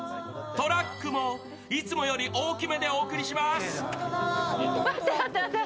トラックもいつもより大きめでお送りします。